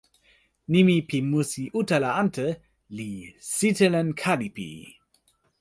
nimi pi musi utala ante li "sitelen Kalipi".